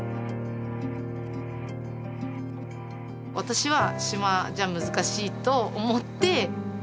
私は島じゃ難しいと思って。